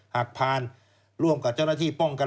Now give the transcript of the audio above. หากผ่านร่วมกับเจ้าหน้าที่ป้องกัน